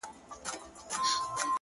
زموږه دوو زړونه دي تل په خندا ونڅيږي!